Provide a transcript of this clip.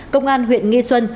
công an huyện nghi xuân